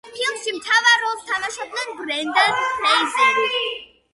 ფილმში მთავარ როლს თამაშობს ბრენდან ფრეიზერი.